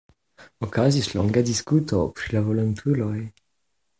Okazis longa diskuto pri la volontuloj.